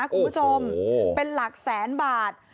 คุณผู้ชมเป็นหลักแสนบาท